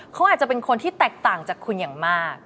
เขาอาจจะเป็นคนที่แตกต่างจากคุณอย่างมาก